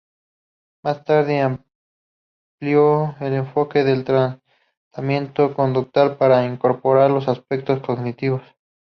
Más tarde amplió el enfoque del tratamiento conductual para incorporar los aspectos cognitivos.